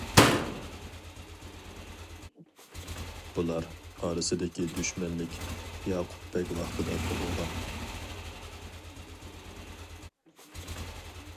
بۇلار ئارىسىدىكى دۈشمەنلىك ياقۇپبەگ ۋاقتىدا تۇغۇلغان.